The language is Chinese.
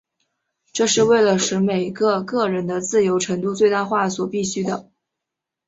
这是为了使每个个人的自由程度最大化所必需的。